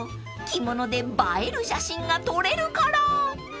着物で映える写真が撮れるから］